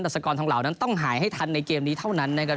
แต่สกรทองเหล่านั้นต้องหายให้ทันในเกมนี้เท่านั้นนะครับ